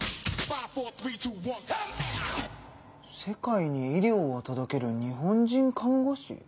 「世界に医療を届ける日本人看護師」？